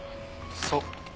そう。